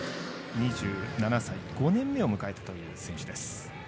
２７歳５年目を迎えたという選手。